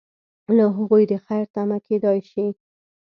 له هغوی د خیر تمه کیدای شي.